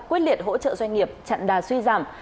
quyết liệt hỗ trợ doanh nghiệp chặn đà suy giảm